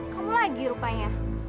kamu lagi rupanya